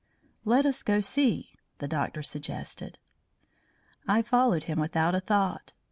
"Let us go see!" the doctor suggested. I followed him without a thought.